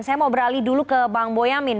saya mau beralih dulu ke bang boyamin